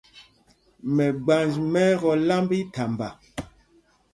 Mɛgbanj ɓɛ́ ɛ́ tɔ̄ lámb íthamba.